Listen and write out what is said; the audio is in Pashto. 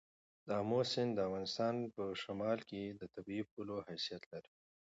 د آمو سیند د افغانستان په شمال کې د طبیعي پولې حیثیت لري.